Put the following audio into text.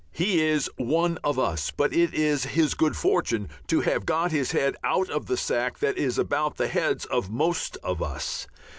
He is "one of us," but it is his good fortune to have got his head out of the sack that is about the heads of most of us.